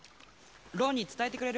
ロンに伝えてくれる？